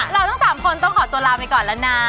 เราทั้ง๓คนต้องขอตัวลาไปก่อนแล้วนะ